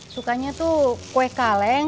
sukanya tuh kue kaleng